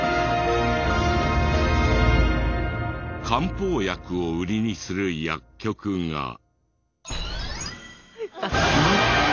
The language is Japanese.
漢方薬を売りにする薬局が。